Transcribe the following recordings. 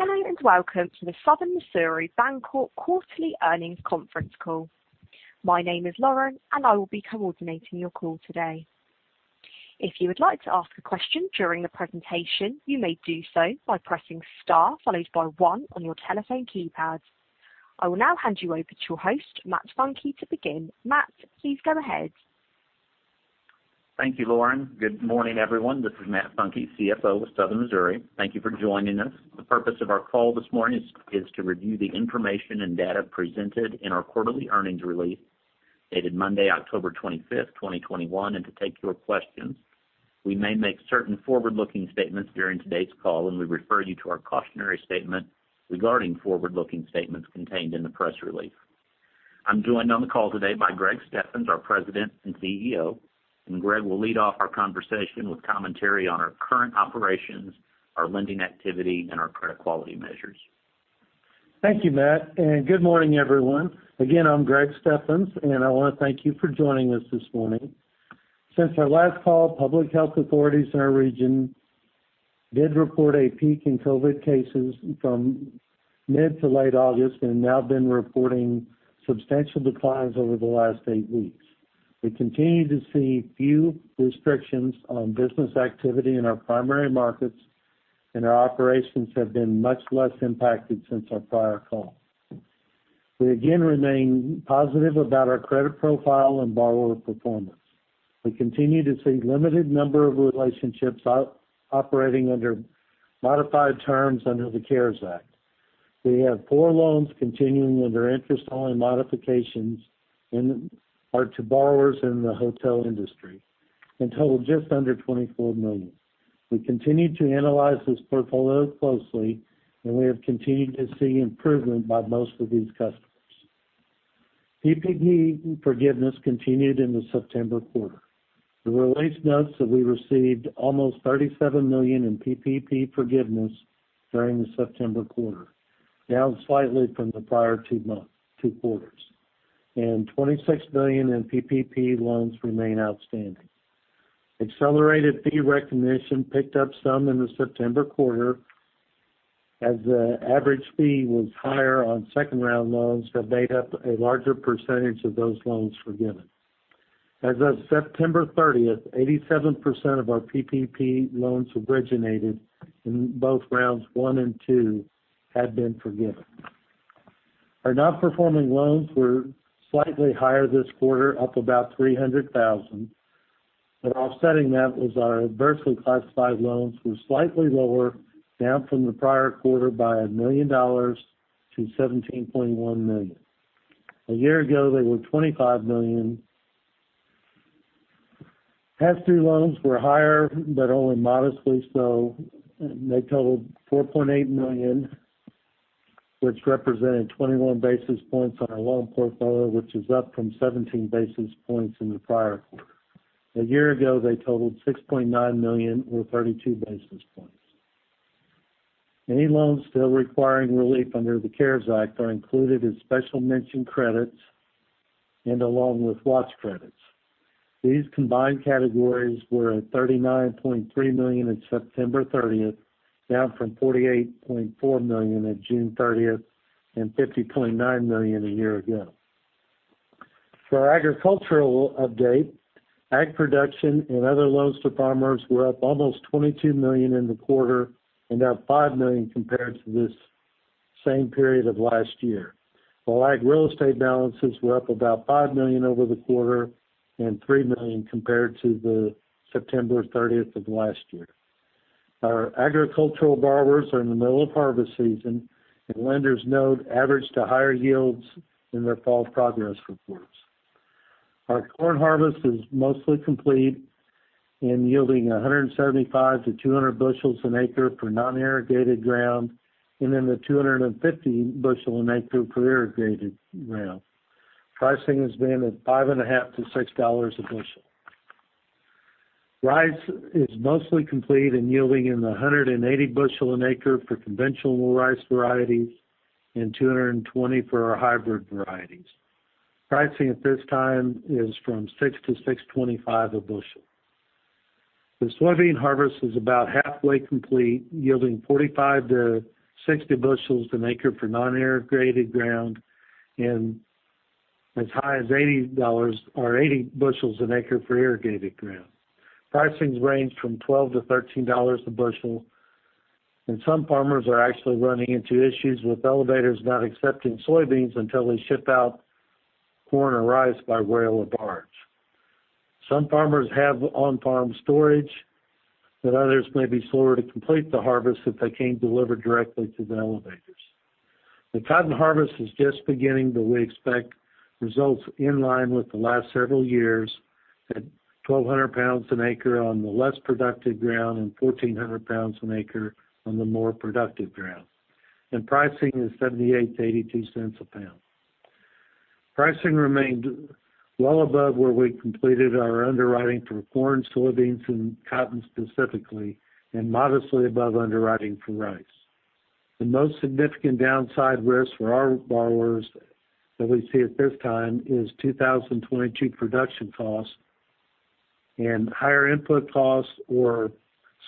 Hello, and welcome to the Southern Missouri Bancorp quarterly earnings conference call. My name is Lauren, and I will be coordinating your call today. If you would like to ask a question during the presentation, you may do so by pressing star followed by one on your telephone keypad. I will now hand you over to your host, Matt Funke, to begin. Matt, please go ahead. Thank you, Lauren. Good morning, everyone. This is Matt Funke, CFO of Southern Missouri. Thank you for joining us. The purpose of our call this morning is to review the information and data presented in our quarterly earnings release dated Monday, October 25th, 2021, and to take your questions. We may make certain forward-looking statements during today's call, and we refer you to our cautionary statement regarding forward-looking statements contained in the press release. I'm joined on the call today by Greg Steffens, our President and CEO, and Greg will lead off our conversation with commentary on our current operations, our lending activity, and our credit quality measures. Thank you, Matt, and good morning, everyone. I'm Greg Steffens, and I wanna thank you for joining us this morning. Since our last call, public health authorities in our region did report a peak in COVID cases from mid to late August and have now been reporting substantial declines over the last eight weeks. We continue to see few restrictions on business activity in our primary markets, and our operations have been much less impacted since our prior call. We again remain positive about our credit profile and borrower performance. We continue to see limited number of relationships operating under modified terms under the CARES Act. We have four loans continuing under interest-only modifications and are to borrowers in the hotel industry and total just under $24 million. We continue to analyze this portfolio closely, and we have continued to see improvement by most of these customers. PPP forgiveness continued in the September quarter. The release notes that we received almost $37 million in PPP forgiveness during the September quarter, down slightly from the prior two quarters, and $26 million in PPP loans remain outstanding. Accelerated fee recognition picked up some in the September quarter as the average fee was higher on second-round loans that made up a larger percentage of those loans forgiven. As of September 30th, 87% of our PPP loans originated in both rounds one and two had been forgiven. Our non-performing loans were slightly higher this quarter, up about $300,000, but offsetting that was our adversely classified loans were slightly lower, down from the prior quarter by $1 million to $17.1 million. A year ago, they were $25 million. Pass-through loans were higher, but only modestly so. They totaled $4.8 million, which represented 21 basis points on our loan portfolio, which is up from 17 basis points in the prior quarter. A year ago, they totaled $6.9 million or 32 basis points. Any loans still requiring relief under the CARES Act are included as special mention credits and along with watch credits. These combined categories were at $39.3 million in September 30th, down from $48.4 million at June 30th and $50.9 million a year ago. For our agricultural update, ag production and other loans to farmers were up almost $22 million in the quarter and down $5 million compared to this same period of last year, while ag real estate balances were up about $5 million over the quarter and $3 million compared to the September 30th of last year. Our agricultural borrowers are in the middle of harvest season, and lenders note average to higher yields in their fall progress reports. Our corn harvest is mostly complete and yielding 175-200 bushels an acre for non-irrigated ground and in the 250 bushel an acre for irrigated ground. Pricing has been at $5.5-$6 a bushel. Rice is mostly complete and yielding in the 180 bushel an acre for conventional rice varieties and 220 for our hybrid varieties. Pricing at this time is from $6-$6.25 a bushel. The soybean harvest is about halfway complete, yielding 45-60 bushels an acre for non-irrigated ground and as high as 80 bushels an acre for irrigated ground. Prices range from $12-$13 a bushel, and some farmers are actually running into issues with elevators not accepting soybeans until they ship out corn and rice by rail or barge. Some farmers have on-farm storage, but others may be slower to complete the harvest if they can't deliver directly to the elevators. The cotton harvest is just beginning, but we expect results in line with the last several years at 1,200 lbs an acre on the less productive ground and 1,400 lbs an acre on the more productive ground. Pricing is $0.78-$0.82 a pound. Pricing remained well above where we completed our underwriting for corn, soybeans, and cotton specifically, and modestly above underwriting for rice. The most significant downside risk for our borrowers that we see at this time is 2022 production costs. Higher input costs or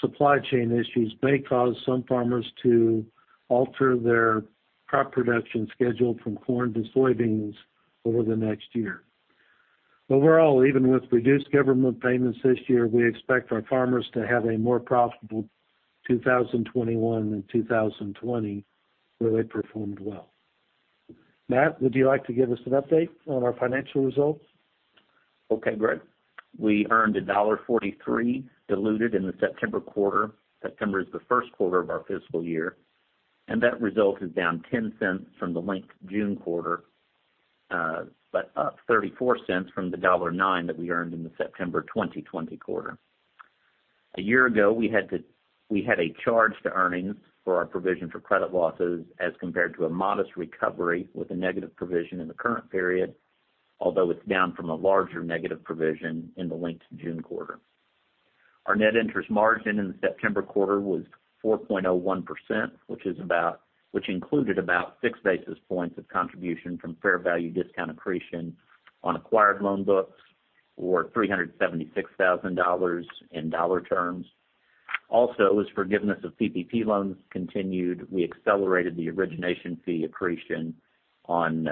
supply chain issues may cause some farmers to alter their crop production schedule from corn to soybeans over the next year. Overall, even with reduced government payments this year, we expect our farmers to have a more profitable 2021 and 2020, where they performed well. Matt, would you like to give us an update on our financial results? Okay, Greg. We earned $1.43 diluted in the September quarter. September is the first quarter of our fiscal year, and that result is down $0.10 from the linked June quarter, but up $0.34 from the $1.09 that we earned in the September 2020 quarter. A year ago, we had a charge to earnings for our provision for credit losses as compared to a modest recovery with a negative provision in the current period, although it's down from a larger negative provision in the linked June quarter. Our net interest margin in the September quarter was 4.01%, which included about 6 basis points of contribution from fair value discount accretion on acquired loan books or $376,000 in dollar terms. Also, as forgiveness of PPP loans continued, we accelerated the origination fee accretion on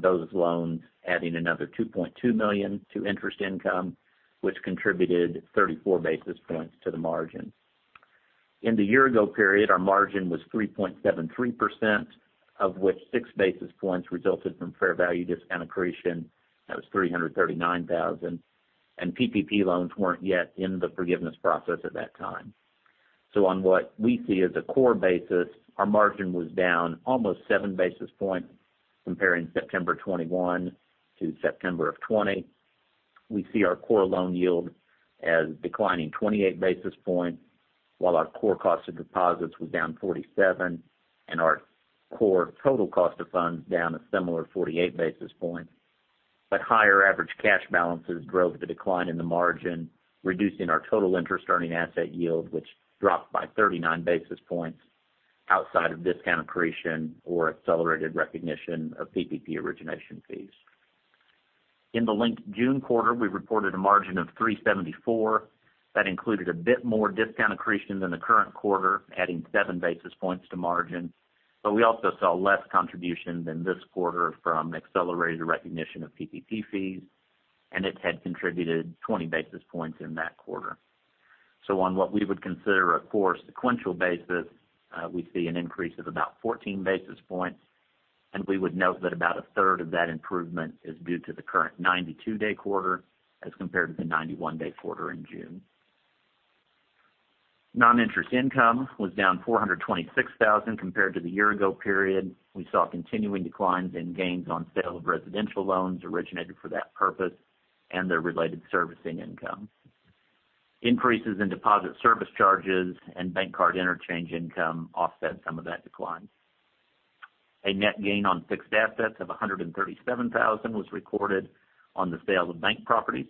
those loans, adding another $2.2 million to interest income, which contributed 34 basis points to the margin. In the year-ago period, our margin was 3.73%, of which 6 basis points resulted from fair value discount accretion. That was $339,000. PPP loans weren't yet in the forgiveness process at that time. On what we see as a core basis, our margin was down almost 7 basis points comparing September 2021 to September of 2020. We see our core loan yield as declining 28 basis points, while our core cost of deposits was down 47 basis points, and our core total cost of funds down a similar 48 basis points. Higher average cash balances drove the decline in the margin, reducing our total interest-earning asset yield, which dropped by 39 basis points outside of discount accretion or accelerated recognition of PPP origination fees. In the linked June quarter, we reported a margin of 3.74%. That included a bit more discount accretion than the current quarter, adding 7 basis points to margin. We also saw less contribution than this quarter from accelerated recognition of PPP fees, and it had contributed 20 basis points in that quarter. On what we would consider a core sequential basis, we see an increase of about 14 basis points, and we would note that about a third of that improvement is due to the current 92-day quarter as compared to the 91-day quarter in June. Noninterest income was down $426,000 compared to the year-ago period. We saw continuing declines in gains on sale of residential loans originated for that purpose and their related servicing income. Increases in deposit service charges and bank card interchange income offset some of that decline. A net gain on fixed assets of $137,000 was recorded on the sale of bank properties.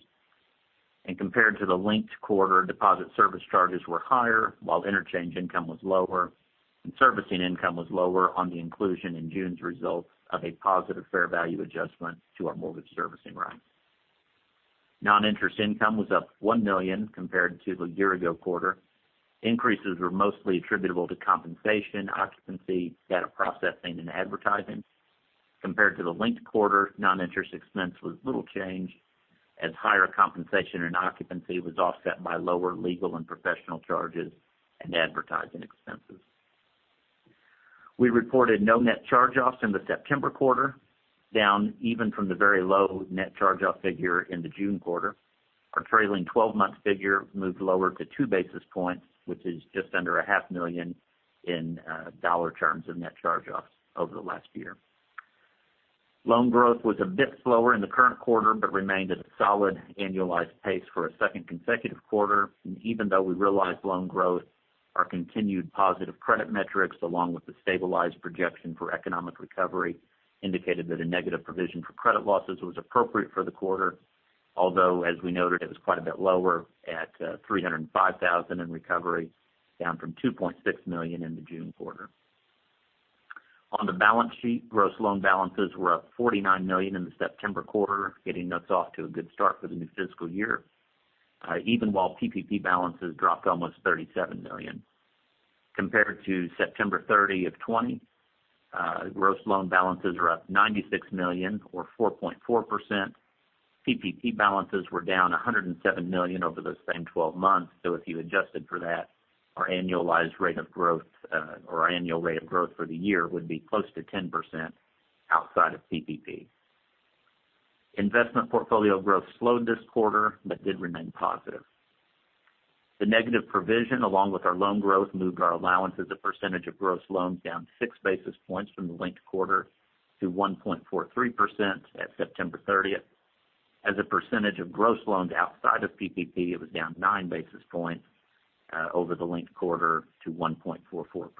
Compared to the linked quarter, deposit service charges were higher, while interchange income was lower and servicing income was lower on the inclusion in June's results of a positive fair value adjustment to our mortgage servicing right. Noninterest income was up $1 million compared to the year-ago quarter. Increases were mostly attributable to compensation, occupancy, data processing, and advertising. Compared to the linked quarter, non-interest expense was little changed as higher compensation and occupancy was offset by lower legal and professional charges and advertising expenses. We reported no net charge-offs in the September quarter, down even from the very low net charge-off figure in the June quarter. Our trailing 12-month figure moved lower to 2 basis points, which is just under a $500,000 in dollar terms of net charge-offs over the last year. Loan growth was a bit slower in the current quarter, but remained at a solid annualized pace for a second consecutive quarter. Even though we realized loan growth, our continued positive credit metrics, along with the stabilized projection for economic recovery, indicated that a negative provision for credit losses was appropriate for the quarter. Although, as we noted, it was quite a bit lower at $305,000 in recovery, down from $2.6 million in the June quarter. On the balance sheet, gross loan balances were up $49 million in the September quarter, getting us off to a good start for the new fiscal year, even while PPP balances dropped almost $37 million. Compared to September 30, 2020, gross loan balances are up $96 million or 4.4%. PPP balances were down $107 million over those same 12 months. If you adjusted for that, our annualized rate of growth, or our annual rate of growth for the year would be close to 10% outside of PPP. Investment portfolio growth slowed this quarter but did remain positive. The negative provision, along with our loan growth, moved our allowance as a percentage of gross loans down 6 basis points from the linked quarter to 1.43% at September 30th. As a percentage of gross loans outside of PPP, it was down 9 basis points over the linked quarter to 1.44%.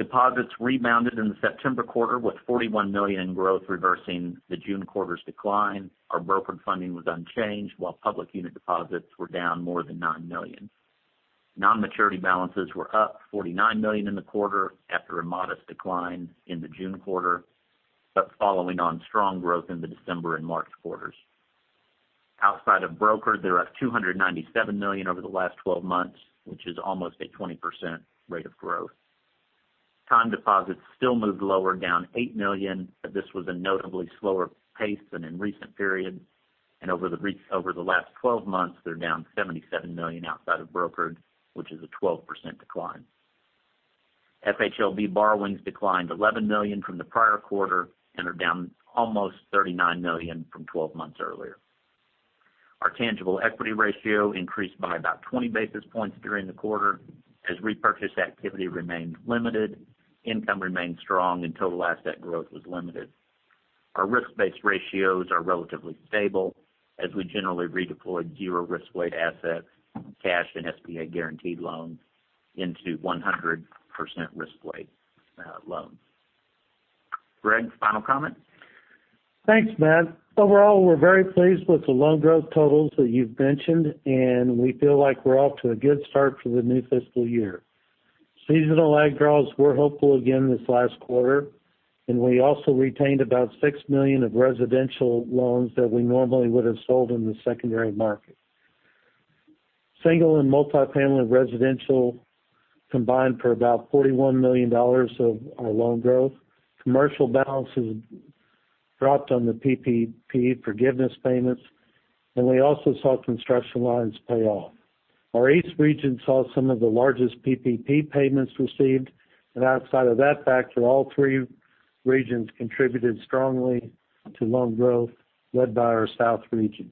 Deposits rebounded in the September quarter, with $41 million in growth, reversing the June quarter's decline. Our brokered funding was unchanged, while public unit deposits were down more than $9 million. Non-maturity balances were up $49 million in the quarter after a modest decline in the June quarter, but following on strong growth in the December and March quarters. Outside of brokered, they're up $297 million over the last 12 months, which is almost a 20% rate of growth. Time deposits still moved lower, down $8 million, but this was a notably slower pace than in recent periods. Over the last 12 months, they're down $77 million outside of brokered, which is a 12% decline. FHLB borrowings declined $11 million from the prior quarter and are down almost $39 million from 12 months earlier. Our tangible equity ratio increased by about 20 basis points during the quarter as repurchase activity remained limited, income remained strong, and total asset growth was limited. Our risk-based ratios are relatively stable as we generally redeployed zero risk-weight assets, cash, and SBA guaranteed loans into 100% risk-weight loans. Greg, final comment? Thanks, Matt. Overall, we're very pleased with the loan growth totals that you've mentioned, and we feel like we're off to a good start for the new fiscal year. Seasonal ag draws were hopeful again this last quarter, and we also retained about $6 million of residential loans that we normally would have sold in the secondary market. Single and multi-family residential combined for about $41 million of our loan growth. Commercial balances dropped on the PPP forgiveness payments, and we also saw construction loans pay off. Our East region saw some of the largest PPP payments received, and outside of that factor, all three regions contributed strongly to loan growth led by our South region.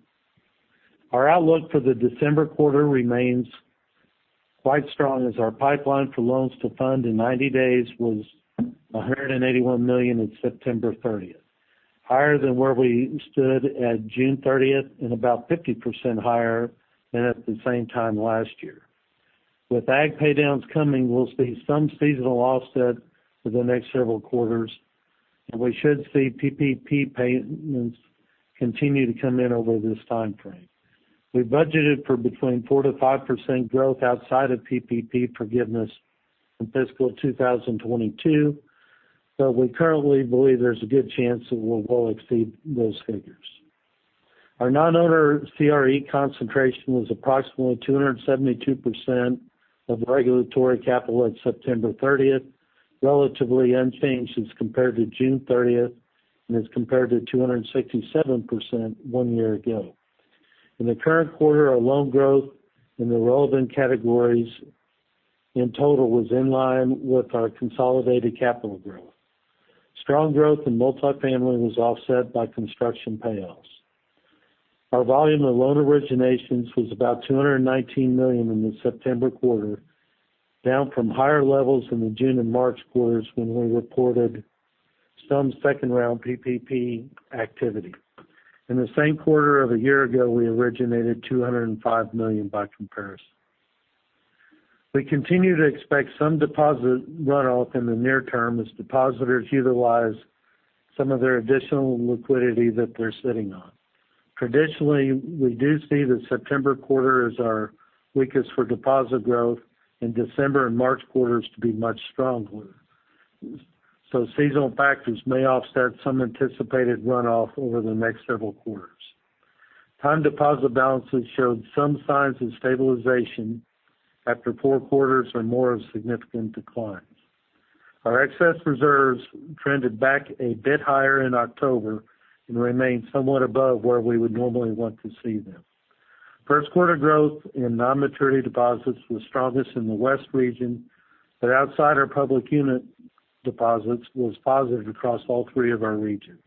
Our outlook for the December quarter remains quite strong as our pipeline for loans to fund in 90 days was $181 million in September 30th, higher than where we stood at June 30th and about 50% higher than at the same time last year. With ag paydowns coming, we'll see some seasonal offset for the next several quarters, and we should see PPP payments continue to come in over this timeframe. We budgeted for between 4%-5% growth outside of PPP forgiveness in fiscal 2022, but we currently believe there's a good chance that we'll well exceed those figures. Our non-owner CRE concentration was approximately 272% of regulatory capital at September 30th, relatively unchanged as compared to June 30th and as compared to 267% one year ago. In the current quarter, our loan growth in the relevant categories in total was in line with our consolidated capital growth. Strong growth in multifamily was offset by construction payoffs. Our volume of loan originations was about $219 million in the September quarter, down from higher levels in the June and March quarters when we reported some second-round PPP activity. In the same quarter of a year ago, we originated $205 million by comparison. We continue to expect some deposit runoff in the near term as depositors utilize some of their additional liquidity that they're sitting on. Traditionally, we do see the September quarter as our weakest for deposit growth and December and March quarters to be much stronger. Seasonal factors may offset some anticipated runoff over the next several quarters. Time deposit balances showed some signs of stabilization after four quarters or more of significant declines. Our excess reserves trended back a bit higher in October and remain somewhat above where we would normally want to see them. First quarter growth in non-maturity deposits was strongest in the West region, but outside our public unit deposits was positive across all three of our regions.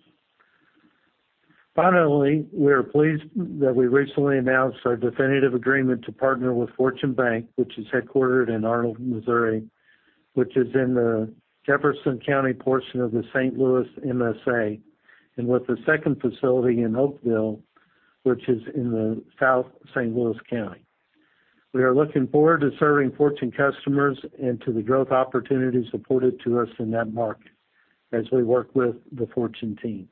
Finally, we are pleased that we recently announced our definitive agreement to partner with FortuneBank, which is headquartered in Arnold, Missouri, which is in the Jefferson County portion of the St. Louis MSA, and with a second facility in Oakville, which is in the South St. Louis County. We are looking forward to serving Fortune customers and to the growth opportunities afforded to us in that market as we work with the Fortune team,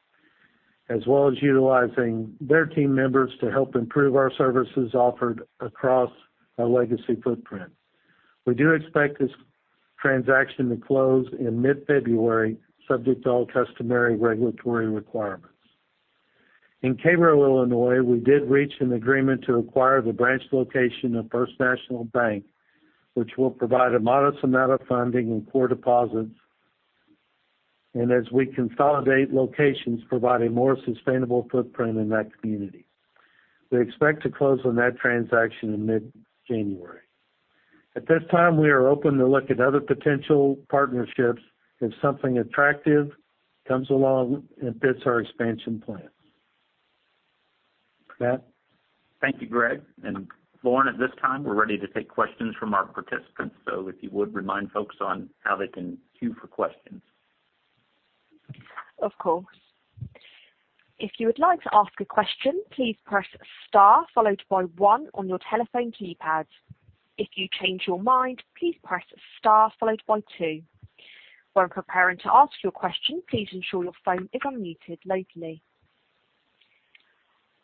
as well as utilizing their team members to help improve our services offered across our legacy footprint. We do expect this transaction to close in mid-February, subject to all customary regulatory requirements. In Cairo, Illinois, we did reach an agreement to acquire the branch location of First National Bank, which will provide a modest amount of funding and core deposits, and as we consolidate locations, provide a more sustainable footprint in that community. We expect to close on that transaction in mid-January. At this time, we are open to look at other potential partnerships if something attractive comes along and fits our expansion plans. Matt? Thank you, Greg. Lauren, at this time, we're ready to take questions from our participants. If you would remind folks on how they can queue for questions. Of course. If you would like to ask a question, please press star followed by one on your telephone keypad. If you change your mind, please press star followed by two. While preparing to ask your question, please ensure your phone is unmuted [lately].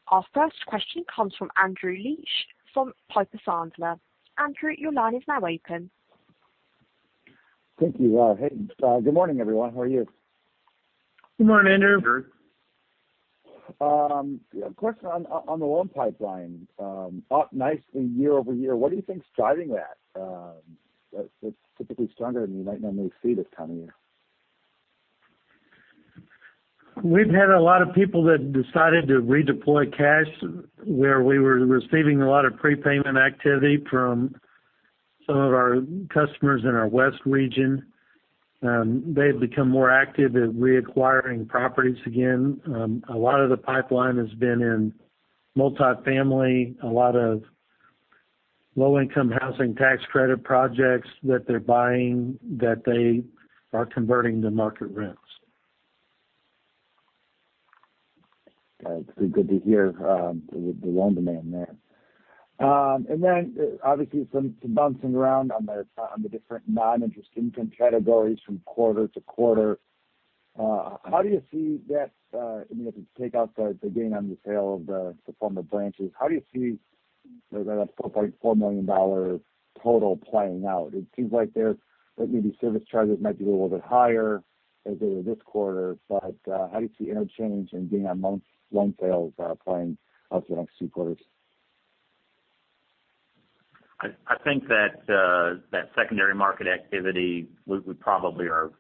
Our first question comes from Andrew Liesch from Piper Sandler. Andrew, your line is now open. Thank you. Hey, good morning, everyone. How are you? Good morning, Andrew. A question on the loan pipeline, up nicely year-over-year. What do you think is driving that? It's typically stronger than you might normally see this time of year. We've had a lot of people that decided to redeploy cash where we were receiving a lot of prepayment activity from some of our customers in our west region. They've become more active at reacquiring properties again. A lot of the pipeline has been in multifamily, a lot of Low-Income Housing Tax Credit projects that they're buying, that they are converting to market rents. Got it. It's good to hear the loan demand there. Obviously some bouncing around on the different non-interest income categories from quarter-to-quarter. How do you see that, I mean, if you take out the gain on the sale of the former branches, how do you see that $4.4 million total playing out? It seems like that maybe service charges might be a little bit higher as they were this quarter. How do you see interchange and gain on loan sales playing out the next few quarters? I think that secondary market activity, we probably are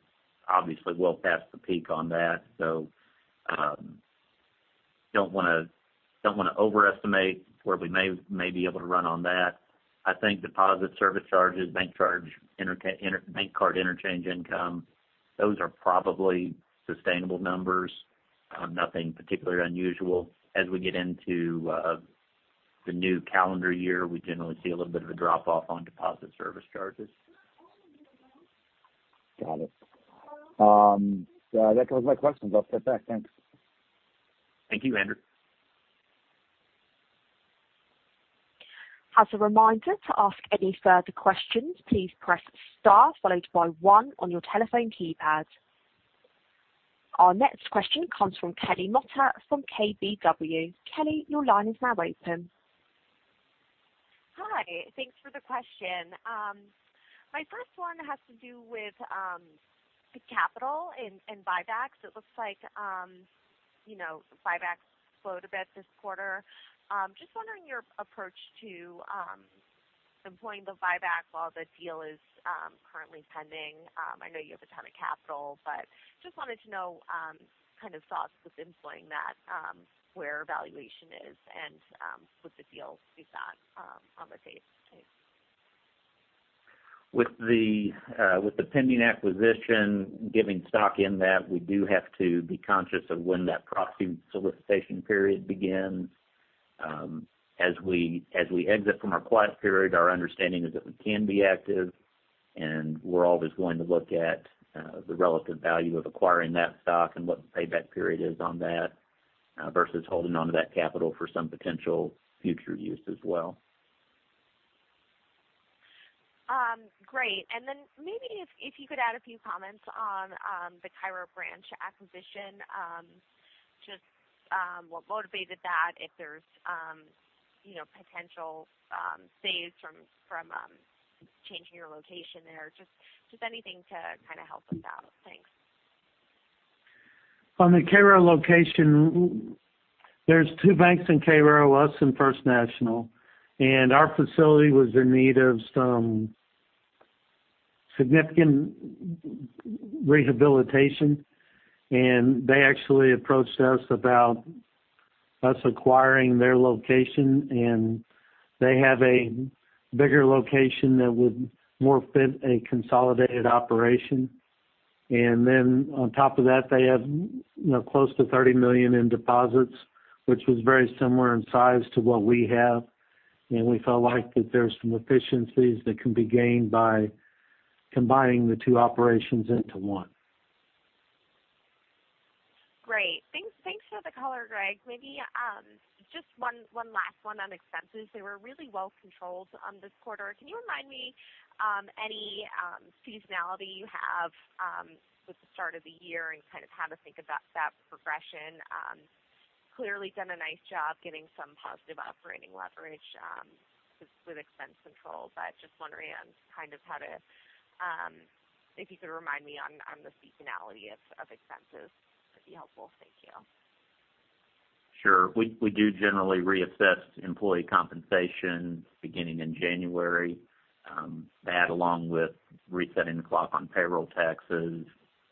obviously well past the peak on that. Don't wanna overestimate where we may be able to run on that. I think deposit service charges, bank card interchange income, those are probably sustainable numbers. Nothing particularly unusual. As we get into the new calendar year, we generally see a little bit of a drop-off on deposit service charges. Got it. That covers my questions. I'll step back. Thanks. Thank you, Andrew. As a reminder, to ask any further questions, please press star followed by one on your telephone keypad. Our next question comes from Kelly Motta from KBW. Kelly, your line is now open. Hi. Thanks for the question. My first one has to do with the capital and buybacks. It looks like, you know, buybacks slowed a bit this quarter. Just wondering your approach to employing the buyback while the deal is currently pending. I know you have a ton of capital, but just wanted to know kind of thoughts with employing that where valuation is and with the deal beyond on the table today. With the pending acquisition, giving stock in that, we do have to be conscious of when that proxy solicitation period begins. As we exit from our quiet period, our understanding is that we can be active, and we're always going to look at the relative value of acquiring that stock and what the payback period is on that versus holding onto that capital for some potential future use as well. Great. Then maybe if you could add a few comments on the Cairo branch acquisition, just what motivated that, if there's you know potential savings from changing your location there. Just anything to kinda help with that. Thanks. On the Cairo location, there's two banks in Cairo, us and First National, and our facility was in need of some significant rehabilitation, and they actually approached us about us acquiring their location, and they have a bigger location that would more fit a consolidated operation. On top of that, they have, you know, close to $30 million in deposits, which was very similar in size to what we have. We felt like that there's some efficiencies that can be gained by combining the two operations into one. Great. Thanks for the color, Greg. Maybe just one last one on expenses. They were really well controlled this quarter. Can you remind me any seasonality you have with the start of the year and kind of how to think about that progression? Clearly done a nice job getting some positive operating leverage with expense control, but just wondering on kind of how to, if you could remind me on the seasonality of expenses, that'd be helpful. Thank you. Sure. We do generally reassess employee compensation beginning in January. That along with resetting the clock on payroll taxes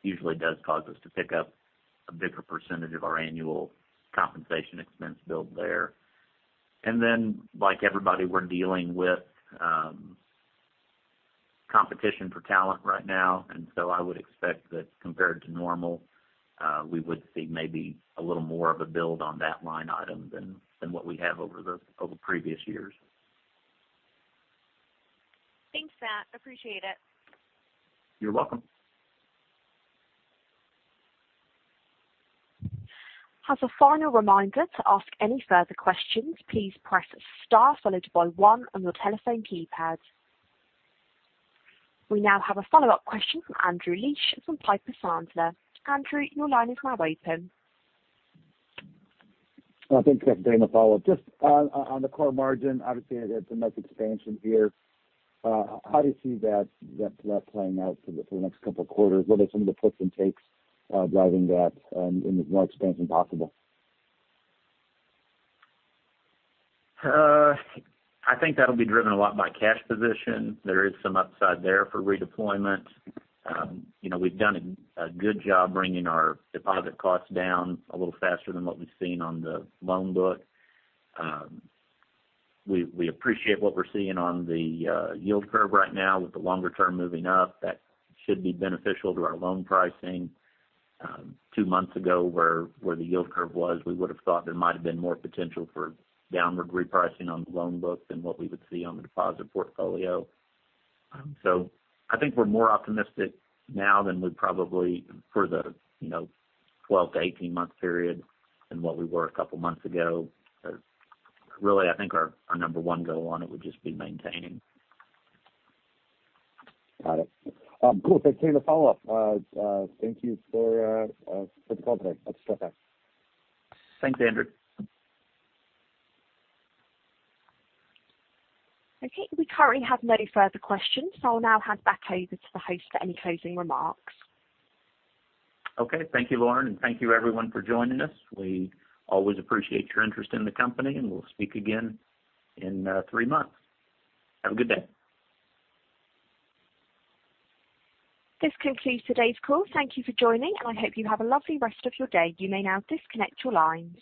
usually does cause us to pick up a bigger percentage of our annual compensation expense build there. Like everybody, we're dealing with competition for talent right now. I would expect that compared to normal, we would see maybe a little more of a build on that line item than what we have over previous years. Thanks for that. Appreciate it. You're welcome. As a final reminder, to ask any further questions, please press star followed by one on your telephone keypad. We now have a follow-up question from Andrew Liesch from Piper Sandler. Andrew, your line is now open. Thanks. Just doing a follow-up. Just on the core margin, obviously it's a nice expansion here. How do you see that playing out for the next couple of quarters? What are some of the puts and takes driving that in as much expansion possible? I think that'll be driven a lot by cash position. There is some upside there for redeployment. You know, we've done a good job bringing our deposit costs down a little faster than what we've seen on the loan book. We appreciate what we're seeing on the yield curve right now with the longer term moving up. That should be beneficial to our loan pricing. Two months ago, where the yield curve was, we would've thought there might've been more potential for downward repricing on the loan book than what we would see on the deposit portfolio. I think we're more optimistic now than we probably for the, you know, 12-month-18-month period than what we were a couple months ago. Really, I think our number one goal on it would just be maintaining. Got it. Cool. Thanks for taking the follow-up. Thank you for the call today. I'll step back. Thanks, Andrew. Okay. We currently have no further questions, so I'll now hand back over to the host for any closing remarks. Okay. Thank you, Lauren, and thank you everyone for joining us. We always appreciate your interest in the company, and we'll speak again in three months. Have a good day. This concludes today's call. Thank you for joining, and I hope you have a lovely rest of your day. You may now disconnect your lines.